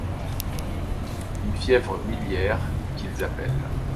Une fièvre miliaire, qu’ils appellent.